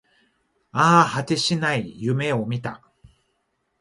ああ、果てしない夢を見た